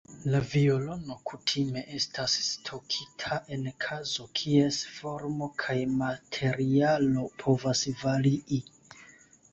La violono kutime estas stokita en kazo kies formo kaj materialo povas varii.